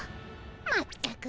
まったく。